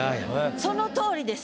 そのとおりです。